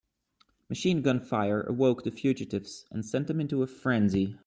Machine gun fire awoke the fugitives and sent them into a frenzy.